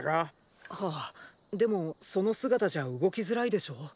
はぁでもその姿じゃ動きづらいでしょう？